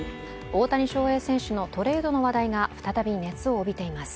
大谷翔平選手のトレードの話題が再び熱を帯びています。